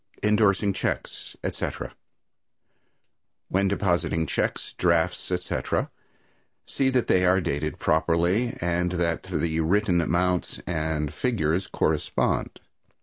Indorsing Checks, Etc. When depositing checks, drafts, etc., see that they are dated properly and that the written amounts and figures correspond.